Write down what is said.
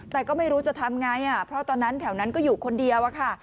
แต่ก็ไม่รู้จะทำไงเพราะตอนนั้นแถวนั้นก็อยู่คนเดียวอะค่ะ